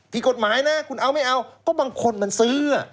ผิดกฎหมายนะคุณเอาไม่เอาก็บางคนมันซื้อ